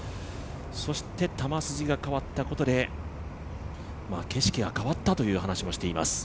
そして球筋が変わったことで景色が変わったという話もしています。